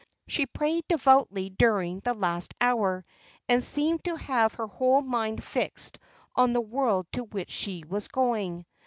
She prayed devoutly during the last hour, and seemed to have her whole mind fixed on the world to which she was going.